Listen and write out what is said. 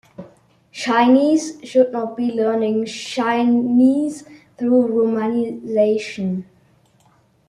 Chinese should not be learning Chinese through Romanization.